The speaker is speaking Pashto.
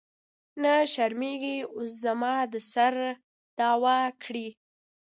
نه شرمېږې اوس زما د سر دعوه کړې.